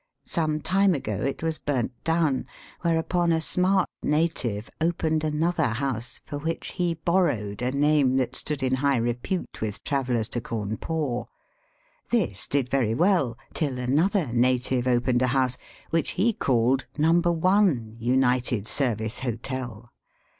Some time ago it was burnt down, whereupon a smart native opened another Digitized by VjOOQIC / CHBISTMAS AT CAWNPOBE. 26S house, for which he borrowed a name that stood in high repute with travellers to Cawn pore. This did very well till another native opened a house, which he called " Number One, United Service Hotel."